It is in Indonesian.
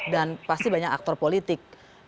dan pasti banyak aktor politik